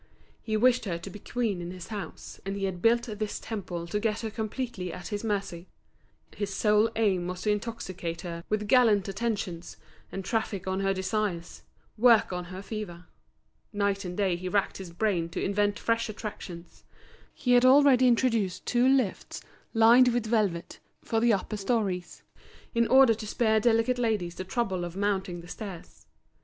He wished her to be queen in his house, and he had built this temple to get her completely at his mercy. His sole aim was to intoxicate her with gallant attentions, and traffic on her desires, work on her fever. Night and day he racked his brain to invent fresh attractions. He had already introduced two lifts lined with velvet for the upper storeys, in order to spare delicate ladies the trouble of mounting the stairs.